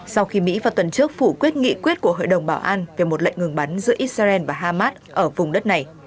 sau khi mỹ vào tuần trước phủ quyết nghị quyết của hội đồng bảo an về một lệnh ngừng bắn giữa israel và hamas ở vùng đất này